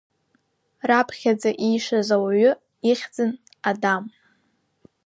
Раԥхьаӡа иишаз ауаҩы ихьӡын Адам.